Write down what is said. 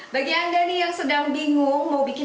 bagi anda nih yang sedang bingung mau bikin